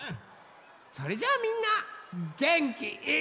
それじゃあみんなげんきいっぱい！